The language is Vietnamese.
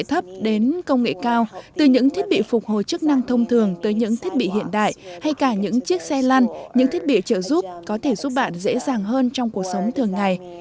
robot đến công nghệ cao từ những thiết bị phục hồi chức năng thông thường tới những thiết bị hiện đại hay cả những chiếc xe lăn những thiết bị trợ giúp có thể giúp bạn dễ dàng hơn trong cuộc sống thường ngày